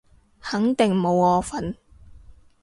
肯定冇我份